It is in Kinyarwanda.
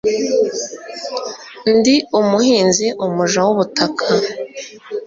ndi umuhinzi, umuja wubutaka